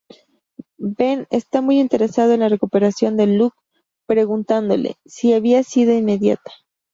Ben está muy interesado en la recuperación de Locke, preguntándole ""Si había sido inmediata"".